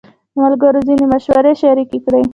ملګرو ځینې مشورې شریکې کړې.